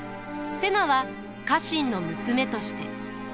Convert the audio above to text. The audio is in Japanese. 瀬名は家臣の娘として。